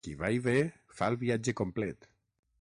Qui va i ve, fa el viatge complet.